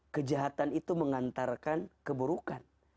kejahatan itu mengantarkan keburukan